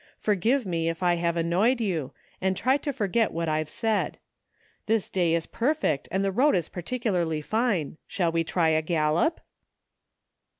Forgive me if I have annoyed you, and try to forget what I've said. This day is perfect and the road is particularly fine. Shall we try a gallop